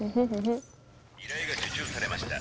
「依頼が受注されました」。